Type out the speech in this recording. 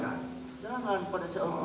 jangan pada seorang